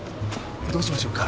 どうしましょうか？